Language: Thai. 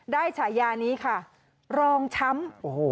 ฉายานี้ค่ะรองช้ำ